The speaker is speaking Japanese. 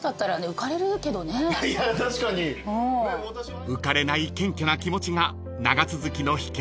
［浮かれない謙虚な気持ちが長続きの秘訣なのかも］